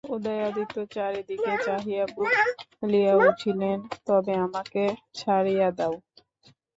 উদয়াদিত্য চারিদিকে চাহিয়া বলিয়া উঠিলেন, তবে আমাকে ছাড়িয়া দাও।